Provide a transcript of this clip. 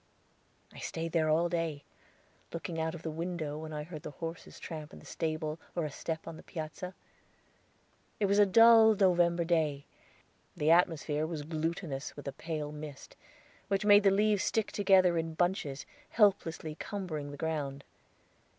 I stayed there all day, looking out of the window when I heard the horses tramp in the stable or a step on the piazza. It was a dull November day; the atmosphere was glutinous with a pale mist, which made the leaves stick together in bunches, helplessly cumbering the ground.